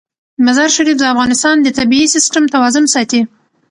مزارشریف د افغانستان د طبعي سیسټم توازن ساتي.